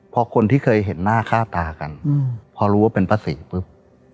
พอคนที่เคยเห็นหน้าค่าตากันพอรู้ว่าเป็นป้าศรีปุ๊บ